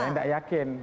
saya tidak yakin